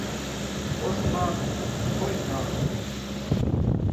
Oṣ tʰaanum, upʰoyn tʰaanum.